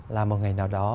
là một ngày nào đó